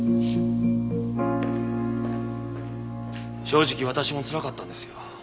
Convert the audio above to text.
正直私もつらかったんですよ。